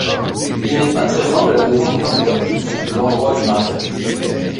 Il n'est pas très loin de la maison des Hampton, l'endroit du mariage.